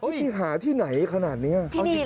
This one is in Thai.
ไปหาที่ไหนขนาดนี้